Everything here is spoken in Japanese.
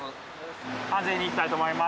安全にいきたいと思います。